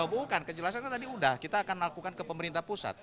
loh bukan kejelasan tadi udah kita akan lakukan ke pemerintah pusat